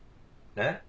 えっ？